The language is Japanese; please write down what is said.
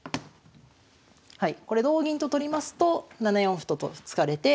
はいこれ同銀と取りますと７四歩と突かれて。